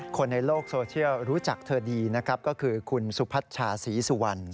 คนในโลกโซเชียลรู้จักเธอดีนะครับก็คือคุณสุพัชชาศรีสุวรรณ